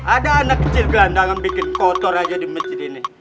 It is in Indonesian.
ada anak kecil gelandangan bikin kotor aja di masjid ini